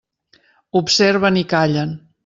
Observen i callen.